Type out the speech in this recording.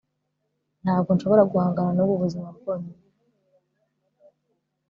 Ntabwo nshobora guhangana nubu buzima bwonyine